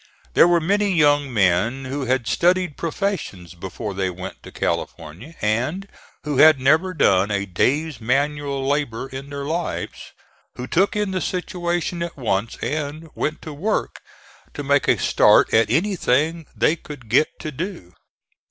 There were many young men who had studied professions before they went to California, and who had never done a day's manual labor in their lives, who took in the situation at once and went to work to make a start at anything they could get to do.